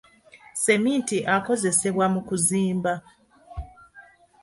Seminti akozesebwa mu kuzimba.